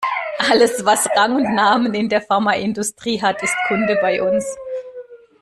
Alles, was Rang und Namen in der Pharmaindustrie hat, ist Kunde bei uns.